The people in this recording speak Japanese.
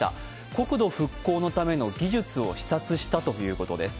国土復興のための技術を視察したということです。